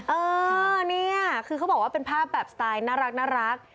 เออเนี่ยคือเขาบอกว่าเป็นภาพแบบสไตล์น่ารัก